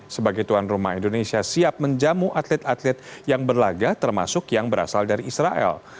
sebagai tuan rumah indonesia siap menjamu atlet atlet yang berlaga termasuk yang berasal dari israel